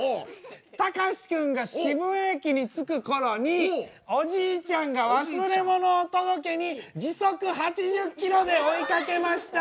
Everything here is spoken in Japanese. たかしくんが渋谷駅に着く頃におじいちゃんが忘れ物を届けに時速８０ｋｍで追いかけました。